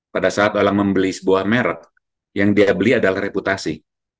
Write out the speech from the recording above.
pada saat orang membeli sebuah merek yang dia beli adalah reputasi